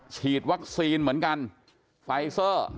ฉีดวัคซีนเหมือนกันไฟเซอร์